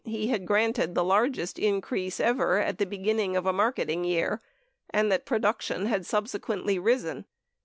he had granted the largest increase ever at the beginning of a marketing year and that production had subsequently risen.